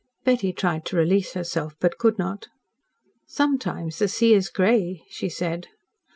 Betty tried to release herself, but could not. "Sometimes the sea is grey," she said.